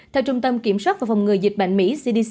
theo trung tâm kiểm soát và phòng ngừa dịch bệnh mỹ cdc